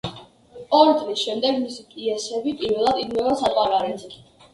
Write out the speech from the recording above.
ორი წლის შემდეგ მისი პიესები პირველად იდგმება საზღვარგარეთ.